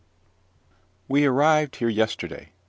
We arrived here yesterday.